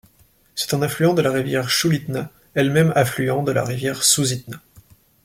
C'est un affluent de la rivière Chulitna, elle-même affluent de la rivière Susitna.